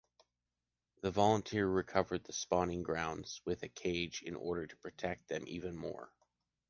The volunteers recover the spawning grounds with a cage in order to protect them even more.